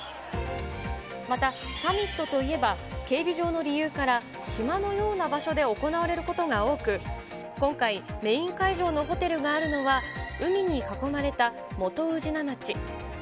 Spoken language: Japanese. また、サミットといえば警備上の理由から、島のような場所で行われることが多く、今回、メイン会場のホテルがあるのは、海に囲まれた元宇品町。